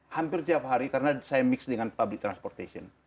hampir tiap hari karena saya mix dengan public transportation